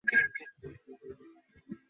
উপরে গিয়ে টাওয়ারটার চূড়া বোমা মেরে উড়িয়ে দেবে!